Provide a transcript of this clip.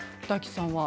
鈴木さん